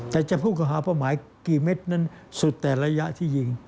แต่จะพูดก็หาเป้าหมายกี่เม็ดนั้นสุดแต่ระยะที่ยิง